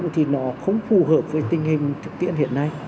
thì nó không phù hợp với tình hình thực tiễn hiện nay